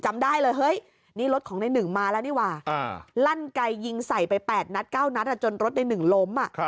จำได้เลยรถของหนึ่งมาแล้วนี่ว่าลั่นไกยยิงใส่ไป๘๙นัทจนรถหนึ่งล้ม